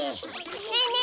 ねえねえ